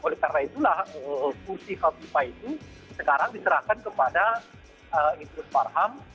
oleh karena itulah kursi khofifah itu sekarang diserahkan kepada idrus farham